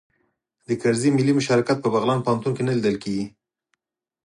د کرزي ملي مشارکت په بغلان پوهنتون کې نه لیدل کیږي